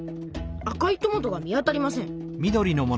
赤いトマトが見当たりません。